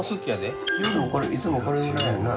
いつもこれぐらいやな。